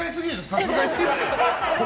さすがに。